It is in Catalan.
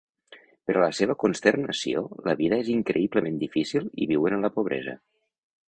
Per a la seva consternació, la vida és increïblement difícil i viuen en la pobresa.